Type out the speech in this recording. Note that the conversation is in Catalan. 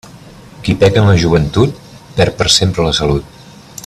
Qui peca en la joventut, perd per sempre la salut.